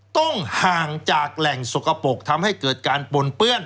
ต้องห่างจากแหล่งสกปรกทำให้เกิดการปนเปื้อน